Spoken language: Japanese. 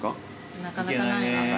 なかなかないね。